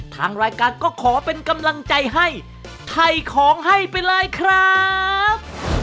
ทางรายการก็ขอเป็นกำลังใจให้ถ่ายของให้ไปเลยครับ